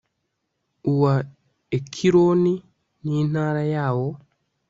uwa ekironi n'intara yawo